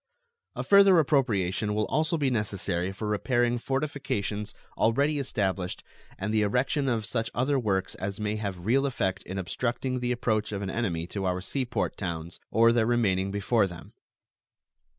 A further appropriation will also be necessary for repairing fortifications already established and the erection of such other works as may have real effect in obstructing the approach of an enemy to our sea port towns, or their remaining before them.